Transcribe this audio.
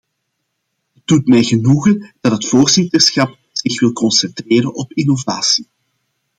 Het doet mij genoegen dat het voorzitterschap zich wil concentreren op innovatie.